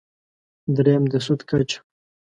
درېیم: د سود کچه.